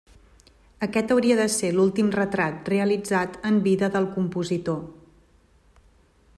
Aquest hauria de ser l'últim retrat realitzat en vida del compositor.